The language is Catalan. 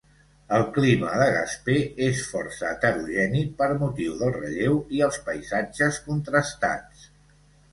El clima de Gaspé és força heterogeni per motiu del relleu i els paisatges contrastats.